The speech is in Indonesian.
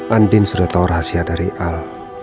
andin sudah tahu rahasia dari al